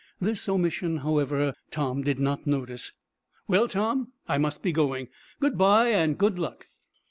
This omission, however, Tom did not notice. "Well, Tom, I must be going. Good by, and good luck."